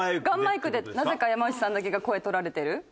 ガンマイクでなぜか山内さんだけが声録られてる？